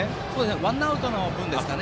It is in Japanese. ワンアウトの分ですかね。